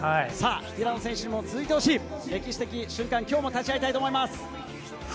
平野選手も続いてほしい、歴史的瞬間に今日も立ち会いたいと思います。